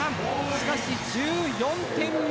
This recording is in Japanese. しかし１４点目